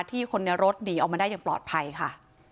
คนในรถหนีออกมาได้อย่างปลอดภัยค่ะ